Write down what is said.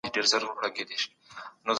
ځیرک انتخابونه باثباته ژوند رامینځته کوي.